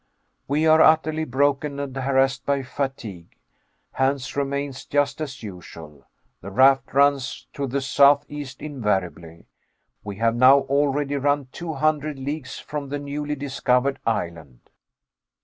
We are utterly broken and harassed by fatigue. Hans remains just as usual. The raft runs to the southeast invariably. We have now already run two hundred leagues from the newly discovered island.